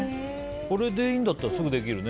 これでいいんだったらすぐできるね。